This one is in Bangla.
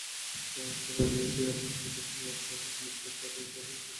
সভায় এফবিসিসিআইয়ের সভাপতি আবদুল মাতলুব আহমাদ বকেয়া আদায়ে সহযোগিতা করার আশ্বাস দেন।